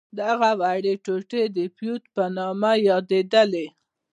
دغه وړې ټوټې د فیوډ په نامه یادیدلې.